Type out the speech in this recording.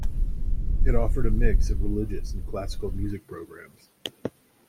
It offered a mix of religious and classical music programs.